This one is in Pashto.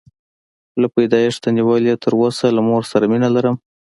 له پیدایښته نیولې تر اوسه له مور سره مینه لرم.